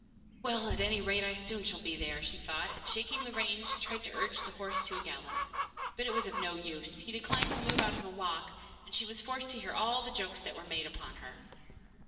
'Well, at any rate, I shall soon be there,' she thought, and shaking the reins, tried to urge the horse to a gallop. But it was of no use; he declined to move out of a walk; and she was forced to hear all the jokes that were made upon her.